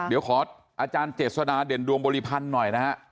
เดี๋ยวขออาจารย์เจษฎาเด่นดวงบริพันธ์หน่อยนะฮะ